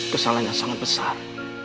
kesalahannya sangat besar